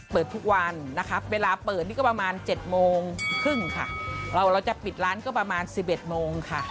เปิดทุกวันนะคะเวลาเปิดนี่ก็ประมาณ๗โมงครึ่งค่ะเราจะปิดร้านก็ประมาณ๑๑โมงค่ะ